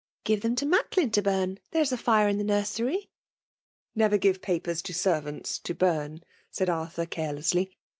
33' *' Give them to MacUin to bum ; there is a fire in the nursery." *' Never give papers to servants to burn/' said Arthur^ carelessly.